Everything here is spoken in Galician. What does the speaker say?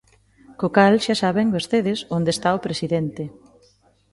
Co cal xa saben vostedes onde está o presidente.